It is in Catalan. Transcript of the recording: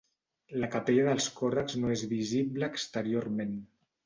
La capella dels Còrrecs no és visible exteriorment.